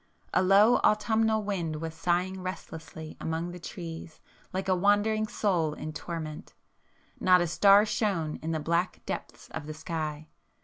A low autumnal wind was sighing restlessly among the trees like a wandering soul in torment; not a star shone in the black depths of the sky.